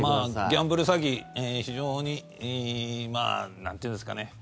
ギャンブル詐欺非常になんて言うんですかね。